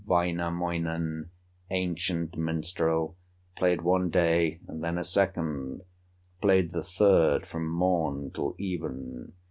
Wainamoinen, ancient minstrel, Played one day and then a second, Played the third from morn till even.